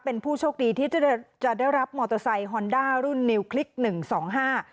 เป็นผู้โชคดีที่จะได้จะได้รับมอเตอร์ไซค์ฮอนด้ารุ่นนิวคลิกหนึ่งสองห้า